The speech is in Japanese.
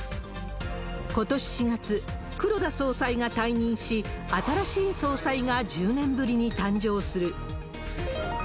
ことし４月、黒田総裁が退任し、新しい総裁が１０年ぶりに誕生する。